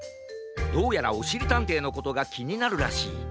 どうやらおしりたんていのことがきになるらしい。